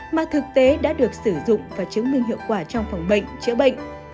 mà thực tế đã được sử dụng và chứng minh hiệu quả trong phòng bệnh chữa bệnh